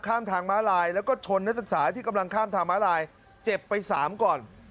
ข้ามทางม้าลายแล้วก็ชนนักศึกษาที่กำลังข้ามทางม้าลายเจ็บไปสามก่อน